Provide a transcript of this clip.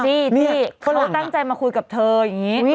ที่เราตั้งใจมาคุยกับเธออย่างนี้